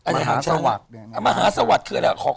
มหาสวัสดิ์มหาสวัสดิ์คืออะไร